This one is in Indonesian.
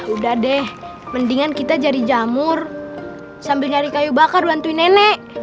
udah deh mendingan kita nyari jamur sambil nyari kayu bakar bantuin nenek